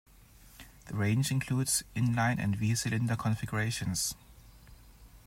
The range includes in-line and Vee cylinder configurations.